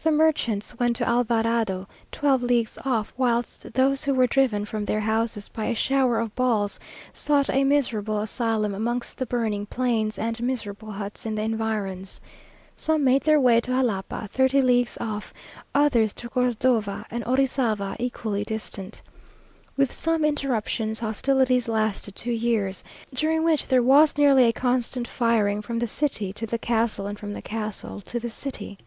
The merchants went to Alvarado, twelve leagues off, whilst those who were driven from their houses by a shower of balls, sought a miserable asylum amongst the burning plains and miserable huts in the environs. Some made their way to Jalapa, thirty leagues off; others to Cordova and Orizava, equally distant. With some interruptions, hostilities lasted two years, during which there was nearly a constant firing from the city to the castle, and from the castle to the city.